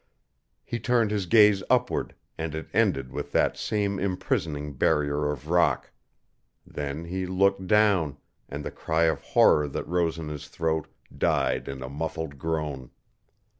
He turned his gaze upward, and it ended with that same imprisoning barrier of rock. Then he looked down, and the cry of horror that rose in his throat died in a muffled groan.